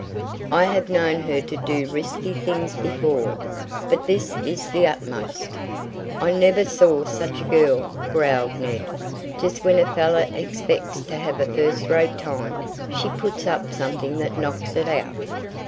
"I have known her to do risky things before, but this is the utmost." "I never saw such a girl," growled Ned. "Just when a fellow expects to have a first rate time, she puts up something that knocks it out."